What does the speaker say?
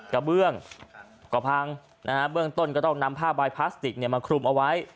กระเบื้องก็พังนะฮะเบื้องต้นก็ต้องนำผ้าใบพลาสติกมาคลุมเอาไว้